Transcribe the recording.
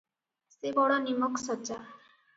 ସେ ବଡ଼ ନିମକ୍ ସଚା ।